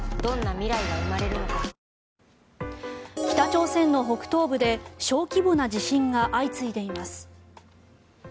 北朝鮮の北東部で小規模な地震が相次いでいます。